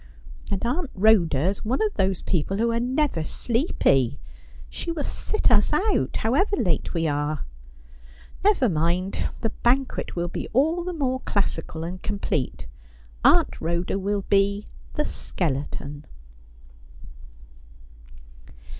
And Aunt Rhoda is one of those people who are never sleepy. She will sit us out, how ever late we are. Never mind. The banquet will be all the more classical and complete. Aunt Rhoda will be the skeleton.'